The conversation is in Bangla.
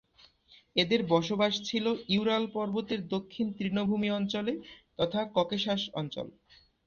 এদের বসবাস ছিল ইউরাল পর্বতের দক্ষিণের তৃণভূমি অঞ্চলে তথা ককেশাস অঞ্চল।